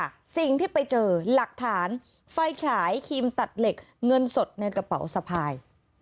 สิ่งที่ไปเจอหลักฐานไฟฉายครีมตัดเหล็กเงินสดในกระเป๋าสะพาย